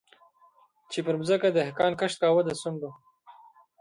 چي پر مځکه دهقان کښت کاوه د سونډو